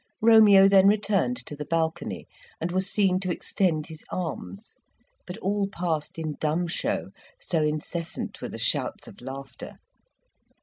Romeo then returned to the balcony, and was seen to extend his arms; but all passed in dumb show, so incessant were the shouts of laughter.